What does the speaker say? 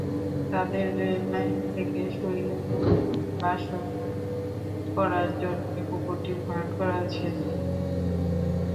তাঁদের রেললাইন থেকে সরিয়ে পুনর্বাসন করার জন্যই পুকুরটি ভরাট করা হচ্ছে।